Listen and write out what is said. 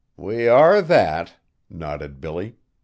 "We are that!" nodded Billy.